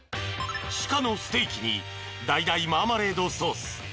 ［鹿のステーキにだいだいマーマレードソース］